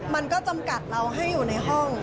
มันก็จำกัดเราให้อยู่ในห้อง